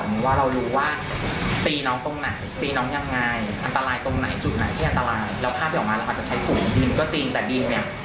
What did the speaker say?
เพราะว่าน้องกับสองเท้าหลายคู่แล้วก็เราไม่ได้เป็นคนที่มาถึงตีหมาเลย